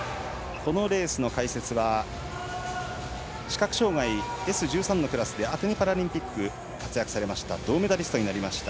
このレースの解説は視覚障がいＳ１３のクラスでアテネパラリンピックで活躍されて銅メダリストになりました